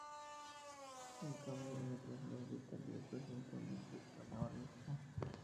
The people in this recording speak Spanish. En cambio, en otras zonas de Italia representa un dulce carnavalesco.